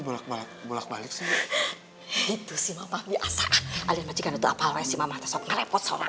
bolak balik balik sih itu sih mama biasa alihkan itu apaan sih mama sop ngerepot sop